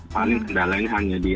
paling kendalian hanya di